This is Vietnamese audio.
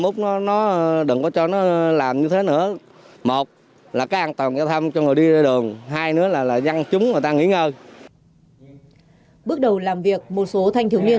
bước đầu làm việc một số thanh thường niên